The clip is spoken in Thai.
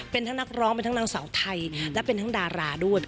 เป็นทั้งนักร้องเป็นทั้งนางสาวไทยและเป็นทั้งดาราด้วย